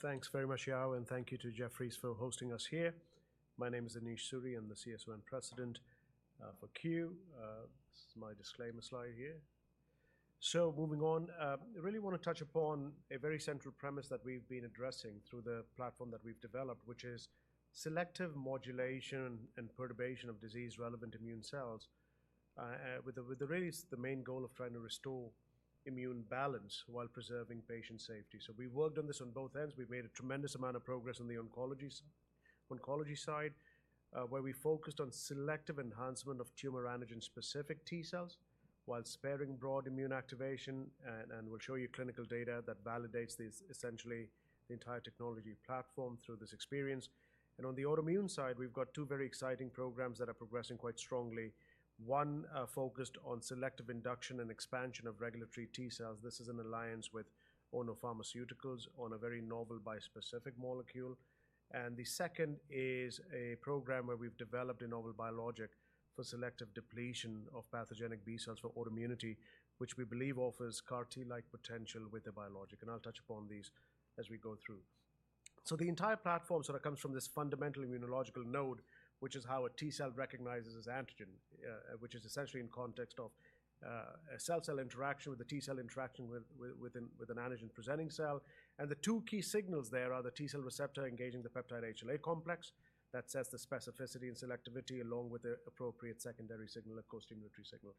Okay, thanks very much, Yao, and thank you to Jefferies for hosting us here. My name is Anish Suri. I'm the CSO and President for Cue. This is my disclaimer slide here. So moving on, I really want to touch upon a very central premise that we've been addressing through the platform that we've developed, which is selective modulation and perturbation of disease-relevant immune cells, with the, with the really is the main goal of trying to restore immune balance while preserving patient safety. So we've worked on this on both ends. We've made a tremendous amount of progress on the oncology side, where we focused on selective enhancement of tumor antigen-specific T cells while sparing broad immune activation. And we'll show you clinical data that validates this, essentially, the entire technology platform through this experience. On the autoimmune side, we've got two very exciting programs that are progressing quite strongly. One, focused on selective induction and expansion of regulatory T cells. This is an alliance with Ono Pharmaceuticals on a very novel bispecific molecule. The second is a program where we've developed a novel biologic for selective depletion of pathogenic B cells for autoimmunity, which we believe offers CAR-T-like potential with the biologic, and I'll touch upon these as we go through. The entire platform sort of comes from this fundamental immunological node, which is how a T cell recognizes its antigen, which is essentially in context of a cell-cell interaction with the T cell interaction with an antigen-presenting cell. The two key signals there are the T cell receptor engaging the peptide HLA complex. That sets the specificity and selectivity, along with the appropriate secondary signal, a costimulatory signal.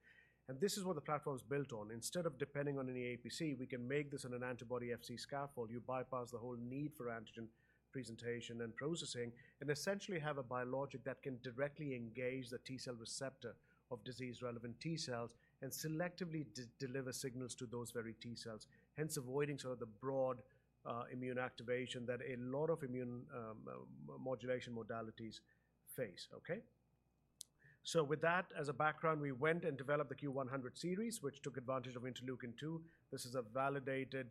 And this is what the platform is built on. Instead of depending on any APC, we can make this on an antibody Fc scaffold. You bypass the whole need for antigen presentation and processing and essentially have a biologic that can directly engage the T cell receptor of disease-relevant T cells and selectively deliver signals to those very T cells, hence avoiding sort of the broad, immune activation that a lot of immune, modulation modalities face, okay? So with that as a background, we went and developed the CUE-100 series, which took advantage of interleukin-2. This is a validated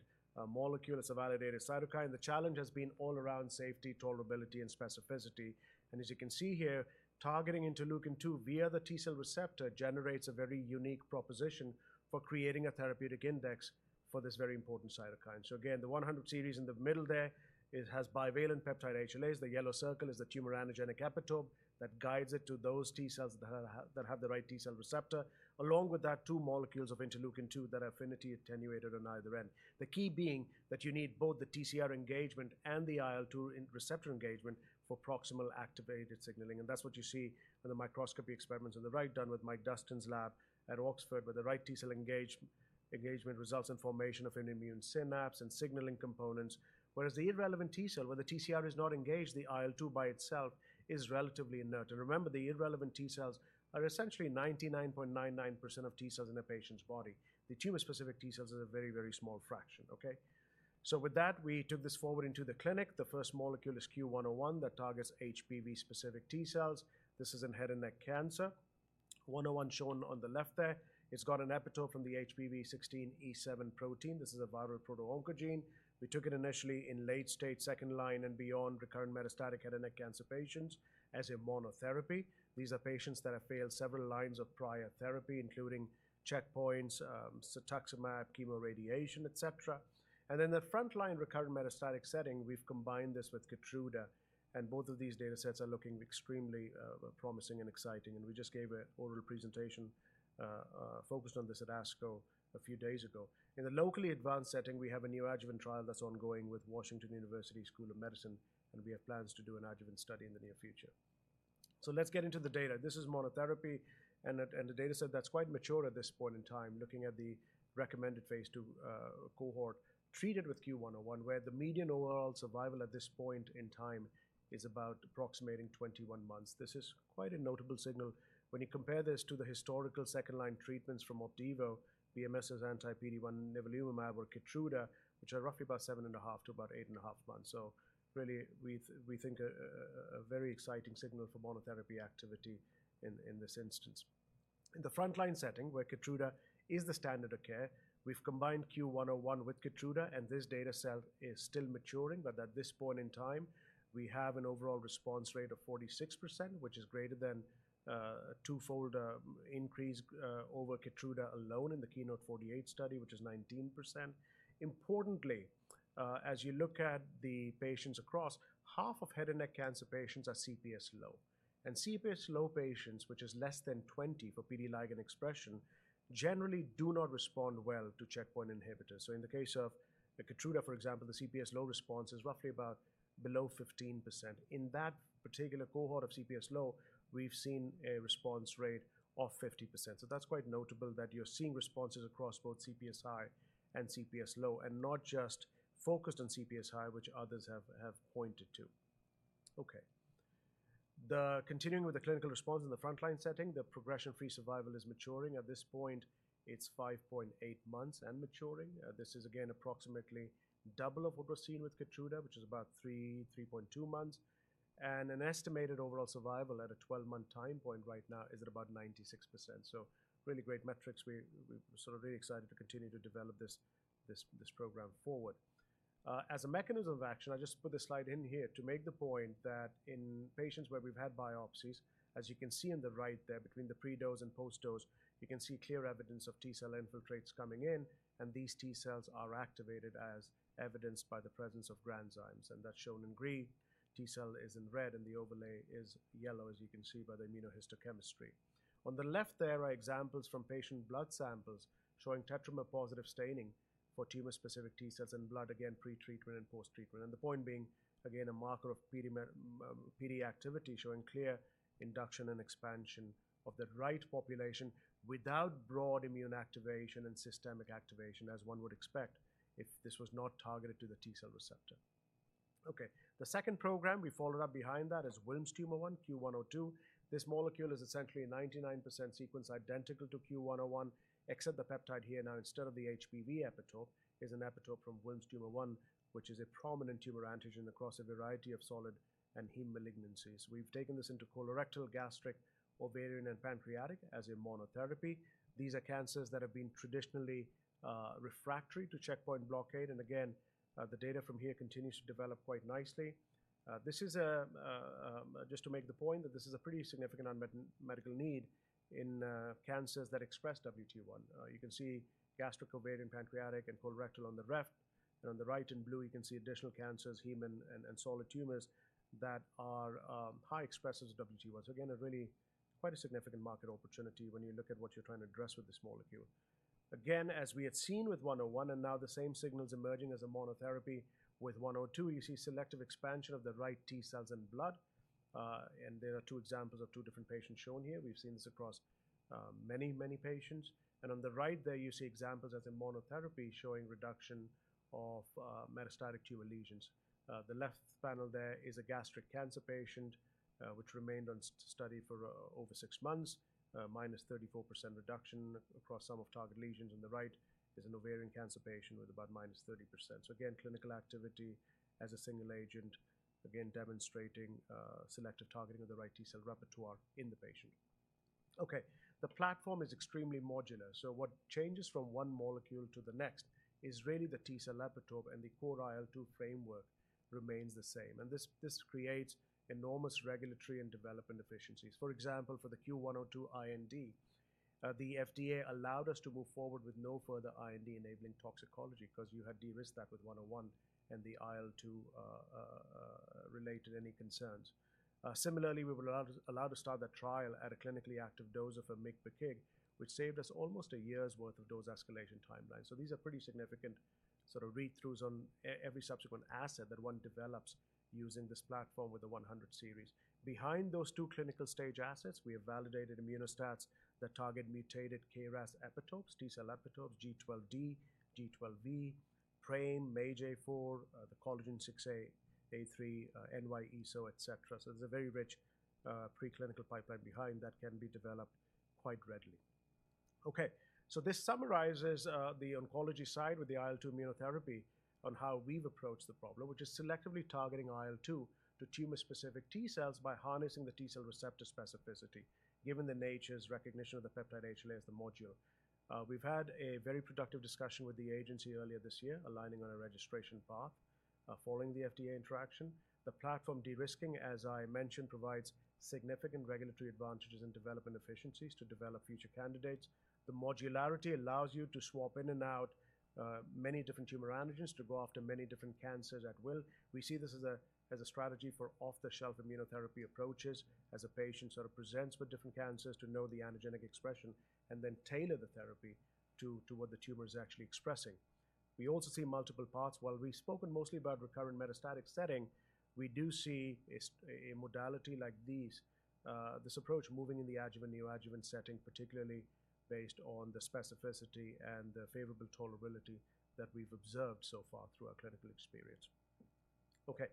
molecule. It's a validated cytokine. The challenge has been all around safety, tolerability, and specificity. As you can see here, targeting interleukin-2 via the T cell receptor generates a very unique proposition for creating a therapeutic index for this very important cytokine. So again, the 100 series in the middle there, it has bivalent peptide HLAs. The yellow circle is the tumor antigen epitope that guides it to those T cells that have the right T cell receptor, along with that, 2 molecules of interleukin-2, that are affinity attenuated on either end. The key being that you need both the TCR engagement and the IL-2 receptor engagement for proximal activated signaling, and that's what you see in the microscopy experiments on the right, done with Mike Dustin's lab at Oxford, where the right T cell engagement results in formation of an immune synapse and signaling components. Whereas the irrelevant T cell, where the TCR is not engaged, the IL-2 by itself is relatively inert. And remember, the irrelevant T cells are essentially 99.99% of T cells in a patient's body. The tumor-specific T cells are a very, very small fraction, okay? So with that, we took this forward into the clinic. The first molecule is CUE-101 that targets HPV-specific T cells. This is in head and neck cancer. CUE-101 shown on the left there, it's got an epitope from the HPV16 E7 protein. This is a viral proto-oncogene. We took it initially in late stage, second-line, and beyond recurrent metastatic head and neck cancer patients as a monotherapy. These are patients that have failed several lines of prior therapy, including checkpoints, cetuximab, chemoradiation, et cetera. In the frontline recurrent metastatic setting, we've combined this with Keytruda, and both of these datasets are looking extremely promising and exciting, and we just gave an oral presentation focused on this at ASCO a few days ago. In the locally advanced setting, we have a new adjuvant trial that's ongoing with Washington University School of Medicine, and we have plans to do an adjuvant study in the near future. So let's get into the data. This is monotherapy and the dataset that's quite mature at this point in time, looking at the recommended phase 2 cohort treated with CUE-101, where the median overall survival at this point in time is about approximating 21 months. This is quite a notable signal when you compare this to the historical second-line treatments from Opdivo, BMS's anti-PD-1 nivolumab, or Keytruda, which are roughly about 7.5 to about 8.5 months. So really, we think a very exciting signal for monotherapy activity in this instance. In the frontline setting, where Keytruda is the standard of care, we've combined CUE-101 with Keytruda, and this dataset is still maturing, but at this point in time, we have an overall response rate of 46%, which is greater than a twofold increase over Keytruda alone in the KEYNOTE-048 study, which is 19%. Importantly, as you look at the patients across, half of head and neck cancer patients are CPS low. CPS low patients, which is less than 20 for PD-L1 expression, generally do not respond well to checkpoint inhibitors. So in the case of the Keytruda, for example, the CPS low response is roughly about below 15%. In that particular cohort of CPS low, we've seen a response rate of 50%. So that's quite notable that you're seeing responses across both CPS high and CPS low and not just focused on CPS high, which others have pointed to. Okay. Continuing with the clinical response in the frontline setting, the progression-free survival is maturing. At this point, it's 5.8 months and maturing. This is again, approximately double of what was seen with Keytruda, which is about 3.2 months. And an estimated overall survival at a 12-month time point right now is at about 96%. So really great metrics. We're sort of really excited to continue to develop this program forward. As a mechanism of action, I just put this slide in here to make the point that in patients where we've had biopsies, as you can see on the right there between the pre-dose and post-dose, you can see clear evidence of T cell infiltrates coming in, and these T cells are activated as evidenced by the presence of granzymes, and that's shown in green. T cell is in red, and the overlay is yellow, as you can see by the immunohistochemistry. On the left, there are examples from patient blood samples showing tetramer positive staining for tumor-specific T cells in blood, again, pre-treatment and post-treatment. And the point being, again, a marker of PD activity, showing clear induction and expansion of the right population without broad immune activation and systemic activation, as one would expect if this was not targeted to the T cell receptor. Okay, the second program we followed up behind that is Wilms' tumor 1, CUE-102. This molecule is essentially 99% sequence identical to CUE-101, except the peptide here. Now, instead of the HPV epitope, is an epitope from Wilms' tumor 1, which is a prominent tumor antigen across a variety of solid and heme malignancies. We've taken this into colorectal, gastric, ovarian, and pancreatic as a monotherapy. These are cancers that have been traditionally refractory to checkpoint blockade, and again, the data from here continues to develop quite nicely. This is just to make the point that this is a pretty significant unmet medical need in cancers that express WT1. You can see gastric, ovarian, pancreatic, and colorectal on the left, and on the right in blue, you can see additional cancers, hematologic and solid tumors that are high expressers of WT1. So again, a really quite a significant market opportunity when you look at what you're trying to address with this molecule. Again, as we had seen with 101 and now the same signals emerging as a monotherapy with 102, you see selective expansion of the right T cells in blood, and there are two examples of two different patients shown here. We've seen this across many, many patients. On the right there, you see examples as a monotherapy showing reduction of metastatic tumor lesions. The left panel there is a gastric cancer patient which remained on study for over 6 months, -34% reduction across some of target lesions. On the right is an ovarian cancer patient with about -30%. So again, clinical activity as a single agent, again, demonstrating selective targeting of the right T cell repertoire in the patient. Okay, the platform is extremely modular, so what changes from one molecule to the next is really the T cell epitope, and the core IL-2 framework remains the same, and this creates enormous regulatory and development efficiencies. For example, for the CUE-102 IND, the FDA allowed us to move forward with no further IND-enabling toxicology because you had de-risked that with CUE-101 and the IL-2 related any concerns. Similarly, we were allowed to start that trial at a clinically active dose of 4 mg per kg, which saved us almost a year's worth of dose escalation timeline. So these are pretty significant sort of read-throughs on every subsequent asset that one develops using this platform with the CUE-100 series. Behind those two clinical stage assets, we have validated Immuno-STATs that target mutated KRAS epitopes, T cell epitopes, G12D, G12V, PRAME, MAGE-A4, the collagen 6A3, NY-ESO-1, etc. So it's a very rich preclinical pipeline behind that can be developed quite readily. Okay, so this summarizes the oncology side with the IL-2 immunotherapy on how we've approached the problem, which is selectively targeting IL-2 to tumor-specific T cells by harnessing the T cell receptor specificity, given the nature's recognition of the peptide HLA as the module. We've had a very productive discussion with the agency earlier this year, aligning on a registration path, following the FDA interaction. The platform de-risking, as I mentioned, provides significant regulatory advantages and development efficiencies to develop future candidates. The modularity allows you to swap in and out many different tumor antigens to go after many different cancers at will. We see this as a strategy for off-the-shelf immunotherapy approaches, as a patient sort of presents with different cancers, to know the antigenic expression and then tailor the therapy to what the tumor is actually expressing. We also see multiple paths. While we've spoken mostly about recurrent metastatic setting, we do see a modality like these, this approach moving in the adjuvant/neoadjuvant setting, particularly based on the specificity and the favorable tolerability that we've observed so far through our clinical experience. Okay,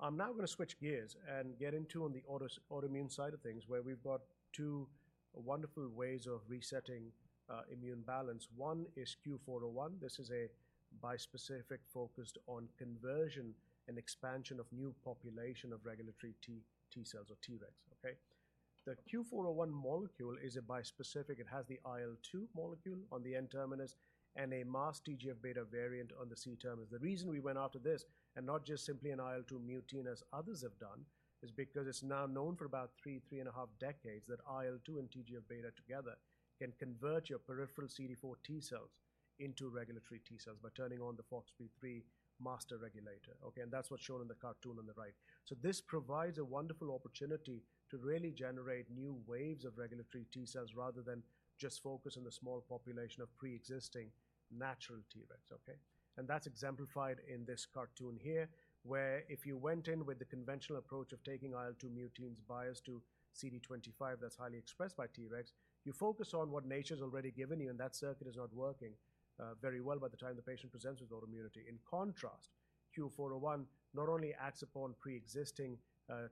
I'm now going to switch gears and get into the autoimmune side of things, where we've got two wonderful ways of resetting immune balance. One is CUE-401. This is a bispecific focused on conversion and expansion of new population of regulatory T cells or Tregs, okay? The CUE-401 molecule is a bispecific. It has the IL-2 molecule on the N-terminus and a masked TGF-beta variant on the C-terminus. The reason we went after this, and not just simply an IL-2 mutein as others have done, is because it's now known for about 3, 3.5 decades that IL-2 and TGF-beta together can convert your peripheral CD4 T cells into regulatory T cells by turning on the FOXP3 master regulator, okay? And that's what's shown in the cartoon on the right. So this provides a wonderful opportunity to really generate new waves of regulatory T cells, rather than just focus on the small population of pre-existing natural T-regs, okay? And that's exemplified in this cartoon here, where if you went in with the conventional approach of taking IL-2 muteins biased to CD25, that's highly expressed by T-regs, you focus on what nature's already given you, and that circuit is not working very well by the time the patient presents with autoimmunity. In contrast, CUE-401 not only acts upon pre-existing,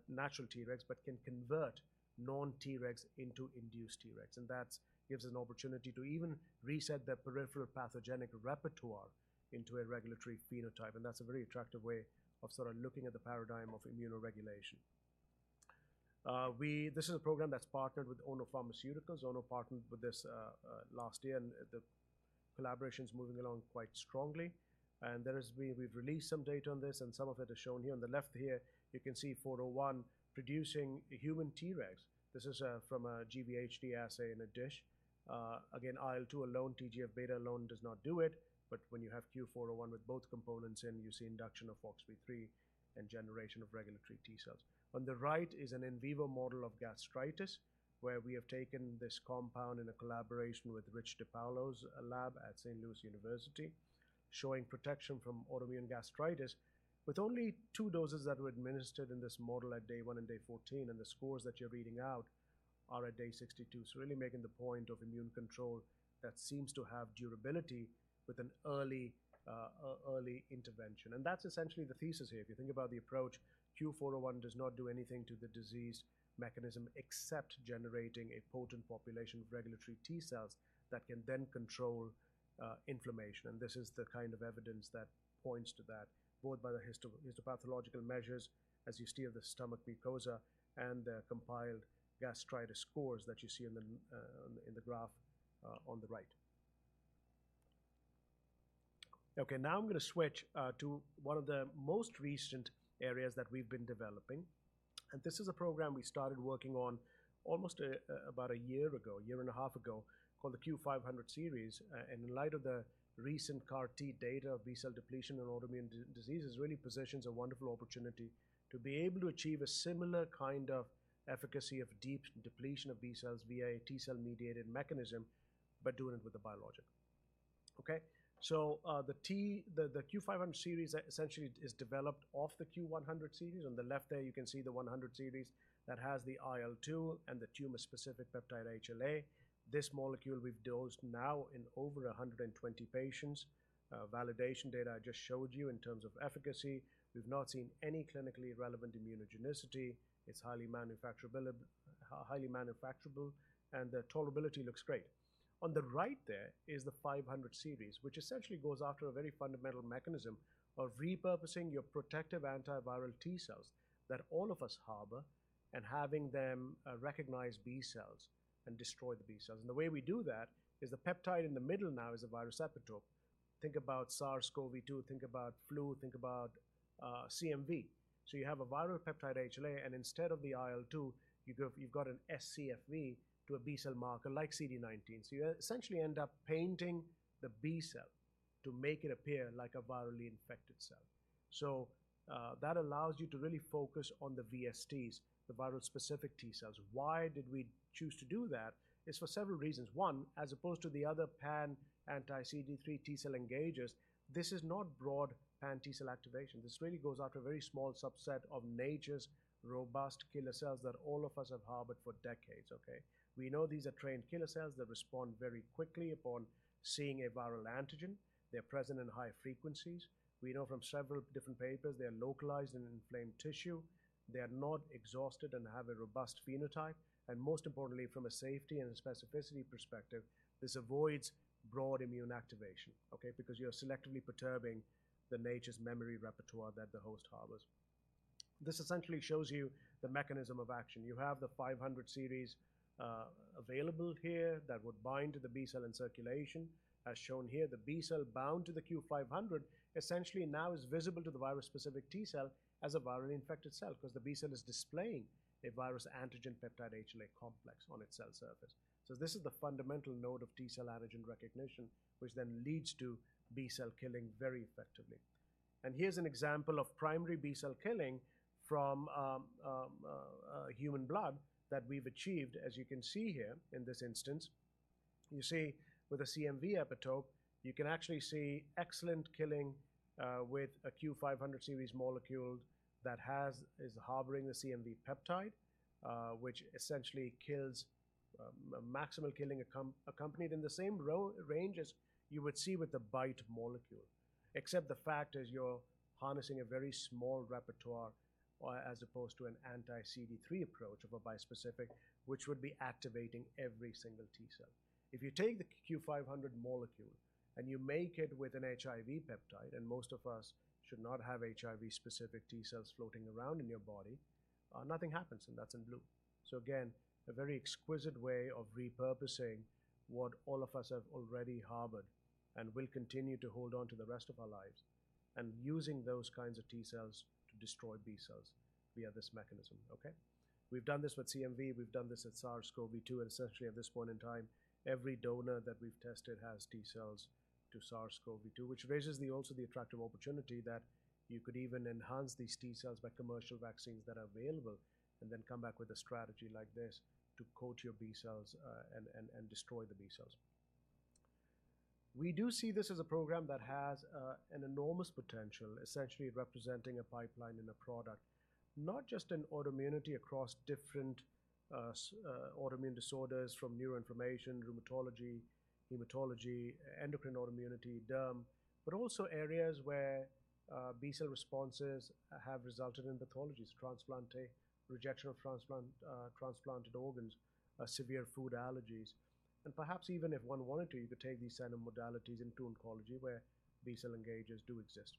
natural T-regs, but can convert non-T-regs into induced T-regs, and that's gives an opportunity to even reset the peripheral pathogenic repertoire into a regulatory phenotype, and that's a very attractive way of sort of looking at the paradigm of immunoregulation. This is a program that's partnered with Ono Pharmaceuticals. Ono partnered with this last year, and the collaboration is moving along quite strongly. We've released some data on this, and some of it is shown here. On the left here, you can see CUE-401 producing human Treg. This is from a GVHD assay in a dish. Again, IL-2 alone, TGF-beta alone does not do it, but when you have CUE-401 with both components in, you see induction of FOXP3 and generation of regulatory T cells. On the right is an in vivo model of gastritis, where we have taken this compound in a collaboration with Rich DiPaolo's lab at St. Louis University, showing protection from autoimmune gastritis with only 2 doses that were administered in this model at day 1 and day 14, and the scores that you're reading out are at day 62. So really making the point of immune control that seems to have durability with an early intervention, and that's essentially the thesis here. If you think about the approach, CUE-401 does not do anything to the disease mechanism, except generating a potent population of regulatory T cells that can then control inflammation. This is the kind of evidence that points to that, both by the histopathological measures as you see of the stomach mucosa and the compiled gastritis scores that you see in the graph on the right. Okay, now I'm gonna switch to one of the most recent areas that we've been developing, and this is a program we started working on almost about a year ago, a year and a half ago, called the CUE-500 series. And in light of the recent CAR-T data, B-cell depletion and autoimmune diseases, really positions a wonderful opportunity to be able to achieve a similar kind of efficacy of deep depletion of B cells via a T-cell-mediated mechanism, but doing it with a biologic. Okay, so, the CUE-500 series essentially is developed off the CUE-100 series. On the left there, you can see the CUE-100 series that has the IL-2 and the tumor-specific peptide HLA. This molecule we've dosed now in over 120 patients. Validation data I just showed you in terms of efficacy. We've not seen any clinically relevant immunogenicity. It's highly manufacturable, and the tolerability looks great. On the right there is the CUE-500 series, which essentially goes after a very fundamental mechanism of repurposing your protective antiviral T cells that all of us harbor, and having them recognize B cells and destroy the B cells. And the way we do that is the peptide in the middle now is a virus epitope. Think about SARS-CoV-2, think about flu, think about CMV. So you have a viral peptide HLA, and instead of the IL-2, you've got, you've got an scFv to a B-cell marker like CD19. So you essentially end up painting the B cell to make it appear like a virally infected cell. So, that allows you to really focus on the VSTs, the viral specific T cells. Why did we choose to do that? It's for several reasons. One, as opposed to the other pan anti-CD3 T-cell engagers, this is not broad anti-T-cell activation. This really goes after a very small subset of nature's robust killer cells that all of us have harbored for decades, okay? We know these are trained killer cells that respond very quickly upon seeing a viral antigen. They're present in high frequencies. We know from several different papers, they are localized in inflamed tissue. They are not exhausted and have a robust phenotype, and most importantly, from a safety and a specificity perspective, this avoids broad immune activation, okay? Because you are selectively perturbing the nature's memory repertoire that the host harbors. This essentially shows you the mechanism of action. You have the CUE-500 series available here that would bind to the B cell in circulation. As shown here, the B cell bound to the CUE-500, essentially now is visible to the virus-specific T cell as a virally infected cell because the B cell is displaying a virus antigen peptide HLA complex on its cell surface. So this is the fundamental node of T cell antigen recognition, which then leads to B cell killing very effectively. Here's an example of primary B cell killing from human blood that we've achieved, as you can see here in this instance. You see, with a CMV epitope, you can actually see excellent killing with a CUE-500 series molecule that is harboring the CMV peptide, which essentially kills maximal killing accompanied in the same range as you would see with the BiTE molecule. Except the fact is you're harnessing a very small repertoire as opposed to an anti-CD3 approach of a bispecific, which would be activating every single T cell. If you take the CUE-500 molecule and you make it with an HIV peptide, and most of us should not have HIV-specific T cells floating around in your body, nothing happens, and that's in blue. So again, a very exquisite way of repurposing what all of us have already harbored and will continue to hold on to the rest of our lives, and using those kinds of T cells to destroy B cells via this mechanism, okay? We've done this with CMV, we've done this with SARS-CoV-2, and essentially, at this point in time, every donor that we've tested has T cells to SARS-CoV-2, which raises the, also the attractive opportunity that you could even enhance these T cells by commercial vaccines that are available, and then come back with a strategy like this to coat your B cells, and destroy the B cells. We do see this as a program that has an enormous potential, essentially representing a pipeline and a product, not just in autoimmunity across different autoimmune disorders from neuroinflammation, rheumatology, hematology, endocrine autoimmunity, DERM, but also areas where B cell responses have resulted in pathologies, rejection of transplant, transplanted organs, severe food allergies, and perhaps even if one wanted to, you could take these kind of modalities into oncology, where B-cell engagers do exist.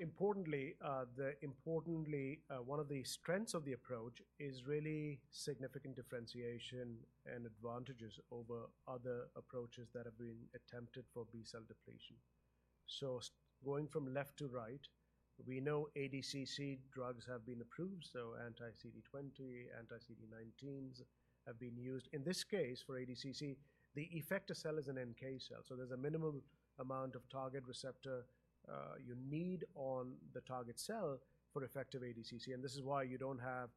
Importantly, one of the strengths of the approach is really significant differentiation and advantages over other approaches that have been attempted for B cell depletion. So going from left to right, we know ADCC drugs have been approved, so anti-CD20, anti-CD19s have been used. In this case, for ADCC, the effector cell is an NK cell, so there's a minimum amount of target receptor, you need on the target cell for effective ADCC. And this is why you don't have,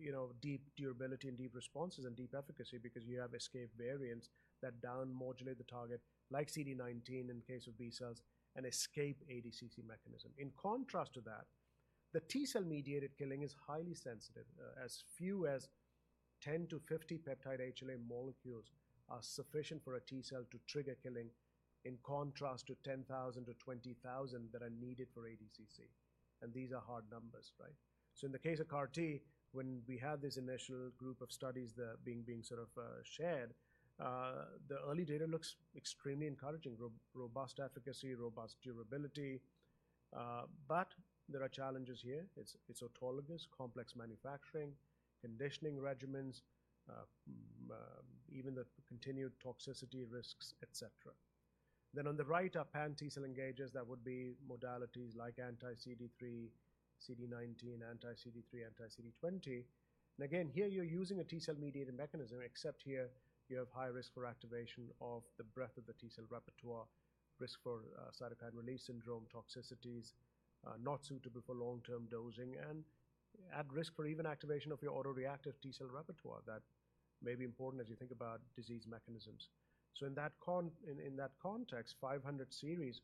you know, deep durability and deep responses and deep efficacy because you have escaped variants that down modulate the target like CD19 in the case of B cells and escape ADCC mechanism. In contrast to that, the T cell-mediated killing is highly sensitive. As few as 10-50 peptide HLA molecules are sufficient for a T cell to trigger killing, in contrast to 10,000-20,000 that are needed for ADCC. And these are hard numbers, right? So in the case of CAR-T, when we had this initial group of studies that being, being sort of shared, the early data looks extremely encouraging. robust efficacy, robust durability, but there are challenges here. It's, it's autologous, complex manufacturing, conditioning regimens, even the continued toxicity risks, etc. Then on the right are pan-T cell engagers that would be modalities like anti-CD3, CD19, anti-CD3, anti-CD20. And again, here you're using a T cell-mediated mechanism, except here you have high risk for activation of the breadth of the T cell repertoire, risk for, cytokine release syndrome toxicities, not suitable for long-term dosing and at risk for even activation of your autoreactive T cell repertoire. That may be important as you think about disease mechanisms. So in that context, CUE-500 series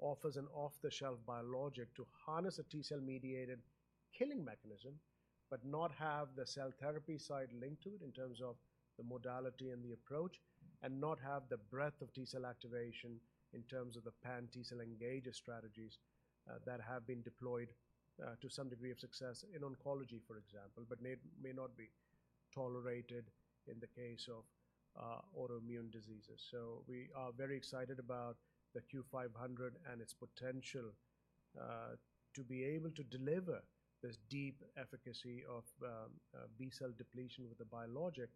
offers an off-the-shelf biologic to harness a T cell-mediated killing mechanism, but not have the cell therapy side linked to it in terms of the modality and the approach, and not have the breadth of T cell activation in terms of the pan-T cell engager strategies that have been deployed to some degree of success in oncology, for example, but may not be tolerated in the case of autoimmune diseases. So we are very excited about the CUE-500 and its potential to be able to deliver this deep efficacy of B cell depletion with a biologic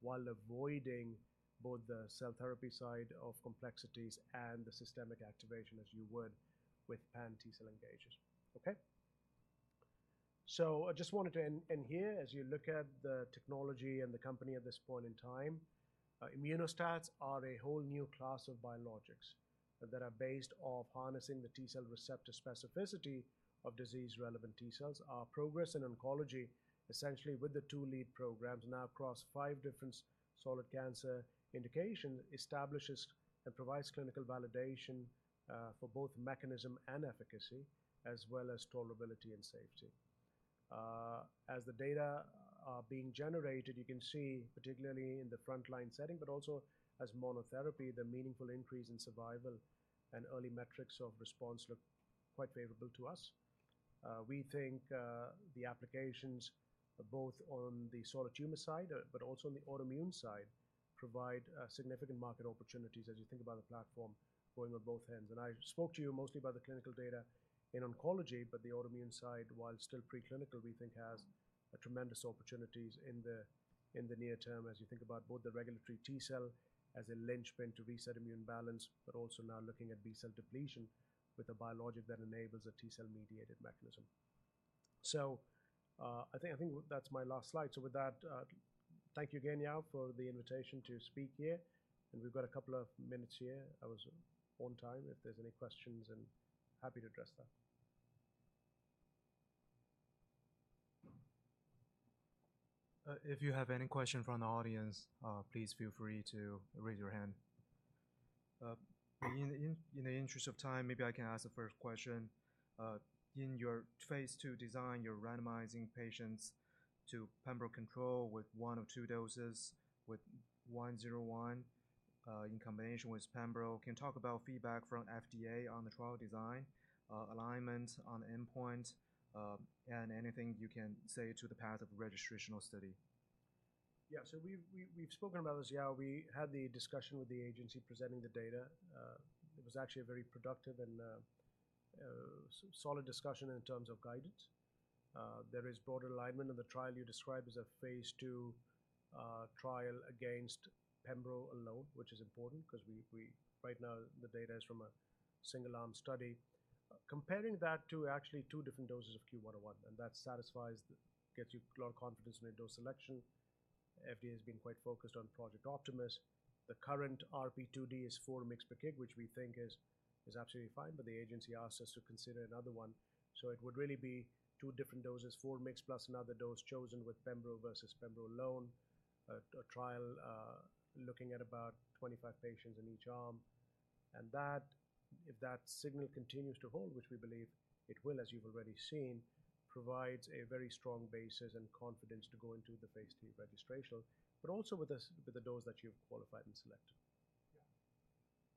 while avoiding both the cell therapy side of complexities and the systemic activation as you would with pan-T cell engagers. Okay? So I just wanted to end here, as you look at the technology and the company at this point in time, Immuno-STATs are a whole new class of biologics that are based off harnessing the T cell receptor specificity of disease-relevant T cells. Our progress in oncology, essentially with the two lead programs now across five different solid cancer indications, establishes and provides clinical validation for both mechanism and efficacy, as well as tolerability and safety. As the data are being generated, you can see, particularly in the frontline setting, but also as monotherapy, the meaningful increase in survival and early metrics of response look quite favorable to us. We think the applications both on the solid tumor side, but also on the autoimmune side, provide significant market opportunities as you think about the platform going on both ends. I spoke to you mostly about the clinical data in oncology, but the autoimmune side, while still preclinical, we think has a tremendous opportunities in the near term as you think about both the regulatory T cell as a linchpin to reset immune balance, but also now looking at B cell depletion with a biologic that enables a T cell-mediated mechanism. So, I think that's my last slide. So with that, thank you again, Yao, for the invitation to speak here. We've got a couple of minutes here. I was on time if there's any questions, and happy to address them. If you have any question from the audience, please feel free to raise your hand. In the interest of time, maybe I can ask the first question. In your phase two design, you're randomizing patients to pembro control with one or two doses, with one zero one, in combination with pembro. Can you talk about feedback from FDA on the trial design, alignment on the endpoint, and anything you can say to the path of registrational study? Yeah. So we've spoken about this, Yao. We had the discussion with the agency presenting the data. It was actually a very productive and solid discussion in terms of guidance. There is broad alignment, and the trial you described is a phase 2 trial against pembro alone, which is important 'cause we right now, the data is from a single-arm study. Comparing that to actually two different doses of CUE-101, and that gets you a lot of confidence in a dose selection. FDA has been quite focused on Project Optimus. The current RP2D is 4 mg/kg, which we think is absolutely fine, but the agency asked us to consider another one. So it would really be two different doses, 4 mg, plus another dose chosen with pembro versus pembro alone. A trial looking at about 25 patients in each arm. That, if that signal continues to hold, which we believe it will, as you've already seen, provides a very strong basis and confidence to go into the phase III registrational, but also with this, with the dose that you've qualified and selected. Yeah,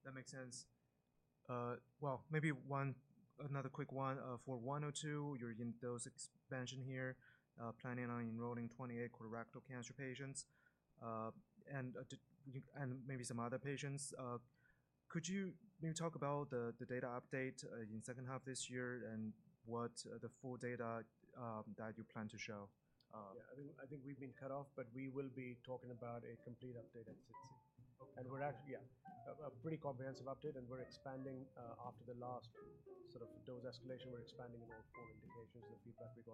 that makes sense. Well, maybe another quick one. For 102, your dose expansion here, planning on enrolling 28 colorectal cancer patients, and maybe some other patients. Could you maybe talk about the data update in second half this year and what the full data that you plan to show? Yeah, I think we've been cut off, but we will be talking about a complete update at SITC. Okay. We're actually a pretty comprehensive update, and we're expanding after the last sort of dose escalation. We're expanding about four indications and feedback we've got.